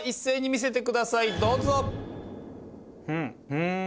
うん。